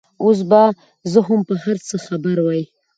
اوس به زه هم په هر څه خبره وای.